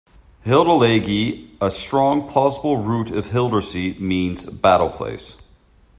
"Hilde-Laege" a strong plausible root of Hildersley means "Battle place".